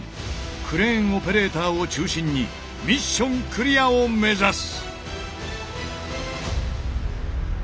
クレーンオペレーターを中心にミッションクリアを目指す！